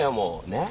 ねっ？